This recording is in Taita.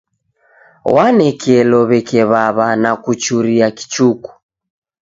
W'anekelo w'eke w'aw'a na kuchuria kichuku.